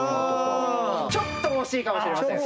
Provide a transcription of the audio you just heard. ちょっと惜しいかもしれません。